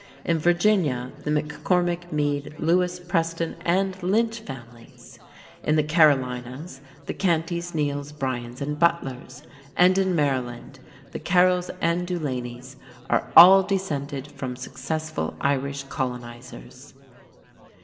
In Virginia, the McCormick, Meade, Lewis, Preston, and Lynch families; in the Carolinas, the Canteys, Nealls, Bryans, and Butlers; and in Maryland, the Carrolls and Dulanys are all descended from successful Irish colonizers.